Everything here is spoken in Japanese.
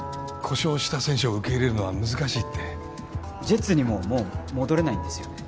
故障した選手を受け入れるのは難しいってジェッツにももう戻れないんですよね？